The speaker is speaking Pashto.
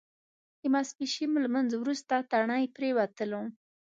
د ماسپښین لمونځ وروسته تڼۍ پرېوتلو.